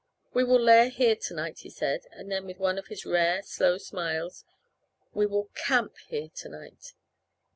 "We will lair here tonight," he said, and then with one of his rare, slow smiles: "We will CAMP here tonight."